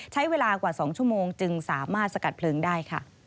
ใช้เวลากว่า๒ชั่วโมงจึงสามารถสกัดเพลิงได้ค่ะ